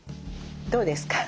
どうですか。